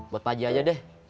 buat pak ji aja deh